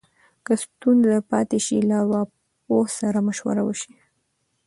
که ستونزه پاتې شي، له ارواپوه سره مشوره وشي.